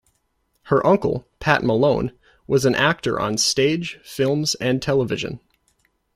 Her uncle, Pat Malone, was an actor on stage, films and television.